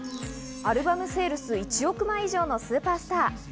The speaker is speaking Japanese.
アルバムセールス１億枚以上のスーパースター。